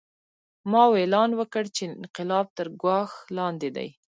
ماوو اعلان وکړ چې انقلاب تر ګواښ لاندې دی.